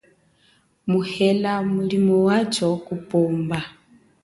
Muhela mulimo wacho kupomba.